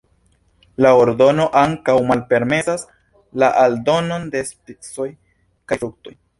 La ordono ankaŭ malpermesas la aldonon de spicoj kaj fruktoj.